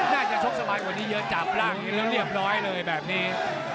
น่าจะชกสมาธิกว่านี้เยอะจับร่างอยู่แล้วเรียบร้อยเลยแบบนี้